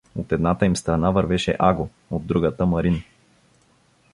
От едната им страна вървеше Аго, от другата — Марин.